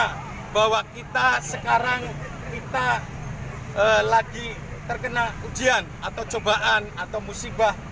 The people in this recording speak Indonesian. karena bahwa kita sekarang kita lagi terkena ujian atau cobaan atau musibah